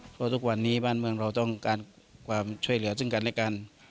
เพราะทุกวันนี้บ้านเมืองเราต้องการความช่วยเหลือซึ่งกันและกัน